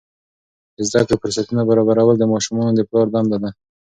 د زده کړې فرصتونه برابرول د ماشومانو د پلار دنده ده.